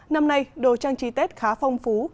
năm nay đồ trang trí tết khá phong phú